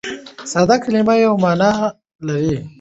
ساده کلیمه یوه مانا لري.